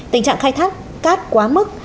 tình trạng khai thác cát quá mức